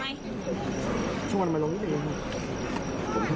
เพียวภรานักรวมในทนนี้ขอขอบคุณครับ